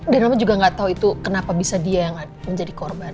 dan mama juga gak tau itu kenapa bisa dia yang menjadi korban